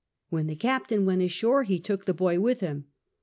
When tlie captain went ashore he took the boy with him.